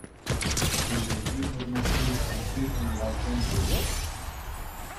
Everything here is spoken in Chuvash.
"Кулленхи пурнӑҫри" ытти ӑнлавсем пекех,